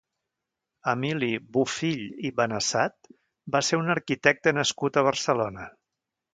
Emili Bofill i Benessat va ser un arquitecte nascut a Barcelona.